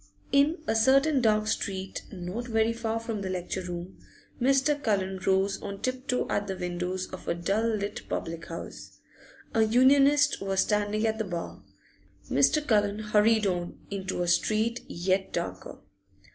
In a certain dark street not very far from the lecture room Mr. Cullen rose on tip toe at the windows of a dull little public house. A Unionist was standing at the bar; Mr. Cullen hurried on, into a street yet darker.